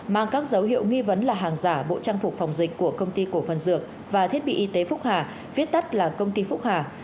mang các dấu hiệu nghi vấn là hàng giả bộ trang phục phòng dịch của công ty cổ phần dược và thiết bị y tế phúc hà viết tắt là công ty phúc hà